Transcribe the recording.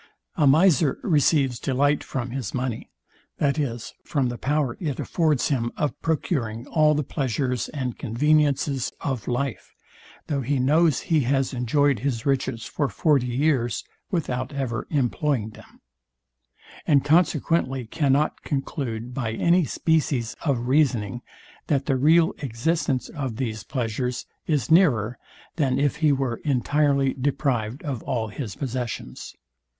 A miser receives delight from his money; that is, from the power it affords him of procuring all the pleasures and conveniences of life, though he knows he has enjoyed his riches for forty years without ever employing them; and consequently cannot conclude by any species of reasoning, that the real existence of these pleasures is nearer, than if he were entirely deprived of all his possessions.